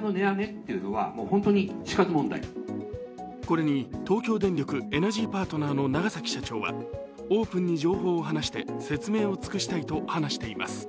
これに東京電力エナジーパートナーの長崎社長はオープンに情報を話して説明を尽くしたいと話しています。